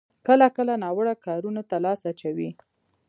کله کله ناوړه کارونو ته لاس اچوي.